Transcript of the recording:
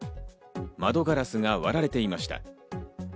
窓ガラスが割られていました。